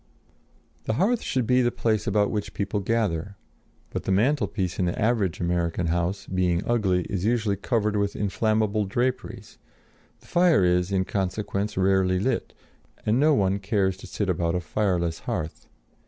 ] The hearth should be the place about which people gather; but the mantelpiece in the average American house, being ugly, is usually covered with inflammable draperies; the fire is, in consequence, rarely lit, and no one cares to sit about a fireless hearth.